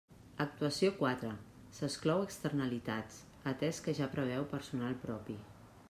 Actuació quatre: s'exclou externalitats, atès que ja preveu personal propi.